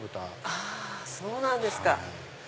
あそうなんですか！